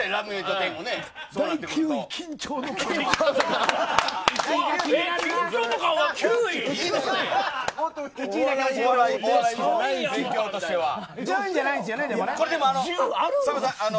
１０位じゃないんですね。